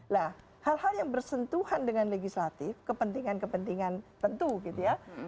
nah hal hal yang bersentuhan dengan legislatif kepentingan kepentingan tentu gitu ya